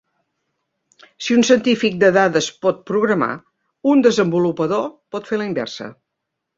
Si un científic de dades pot programar, un desenvolupador pot fer a la inversa.